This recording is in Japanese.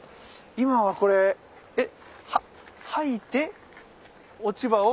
今はこれ掃いて落ち葉を？